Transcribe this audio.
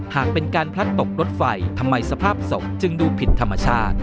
หากเป็นการพลัดตกรถไฟทำไมสภาพศพจึงดูผิดธรรมชาติ